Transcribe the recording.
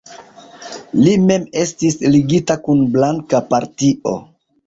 Li mem estis ligita kun blanka partio.